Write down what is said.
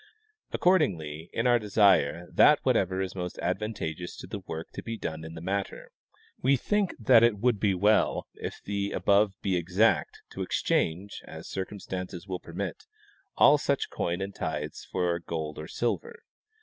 Accord ingly, in our desire that whatever is most advantageous to the work to be done in the matter, we think it would be well, if the above be exact, to exchange, as circumstances will permit, all such coin and tithes for gold or silver.